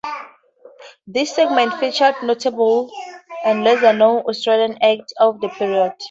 These segments featured notable and lesser-known Australian acts of the period.